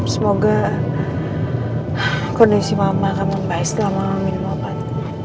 semoga kondisi mama akan membahas selama mama minum obat